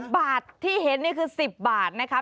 บาทที่เห็นนี่คือ๑๐บาทนะคะ